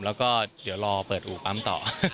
แล้วก็เดี๋ยวรอเปิดอู่ปั๊มต่อ